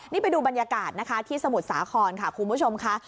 นี่ไปดูบรรยากาศนะคะที่สมุทรสาครค่ะคุณผู้ชมค่ะ